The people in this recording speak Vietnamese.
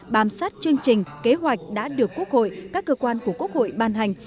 bám sát chương trình kế hoạch đã được quốc hội các cơ quan của quốc hội ban hành